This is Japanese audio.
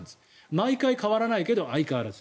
毎回変わらないけど相変わらず。